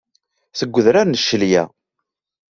Seg udrar n ccelya.